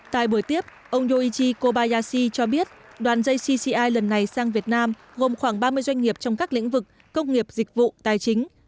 tại buổi tiếp ông yoichi kobayashi cho biết đoàn jcci lần này sang việt nam gồm khoảng ba mươi doanh nghiệp trong các lĩnh vực công nghiệp dịch vụ tài chính